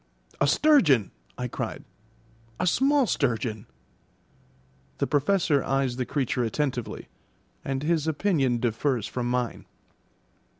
"A sturgeon," I cried; "a small sturgeon." The Professor eyes the creature attentively, and his opinion differs from mine.